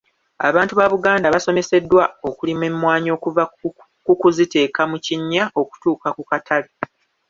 Abantu ba Buganda basomeseddwa okulima emmwanyi okuva ku kuziteeka mu kinnya okutuuka ku katale.